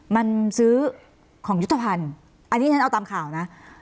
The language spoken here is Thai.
มันซื้อของยุทธภัณฑ์อันนี้ฉันเอาตามข่าวนะ